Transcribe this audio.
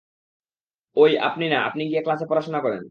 ওই, আপনি না, আপনি ক্লাসে গিয়ে পড়াশোনা করেন।